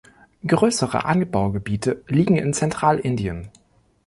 Größere Anbaugebiete liegen in Zentralindien.